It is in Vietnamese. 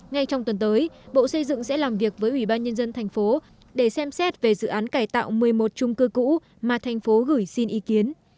ngay trong tuần tới bộ xây dựng sẽ làm việc với ubnd thành phố để xem xét về dự án cải tạo một mươi một chung cư cũ mà thành phố gửi xin ý kiến